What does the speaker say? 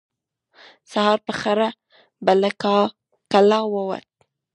سهار په خړه به له کلا ووت.